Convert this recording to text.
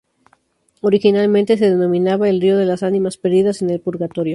Originalmente se denominaba: El río de las Ánimas Perdidas en el Purgatorio.